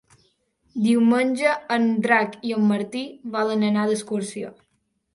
Diumenge en Drac i en Martí volen anar d'excursió.